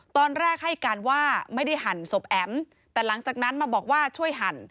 ตอนแรกให้การว่าไม่ได้หั่นศพแอ๋มแต่หลังจากนั้นมาบอกว่าช่วยหั่น